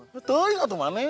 betul ini apaan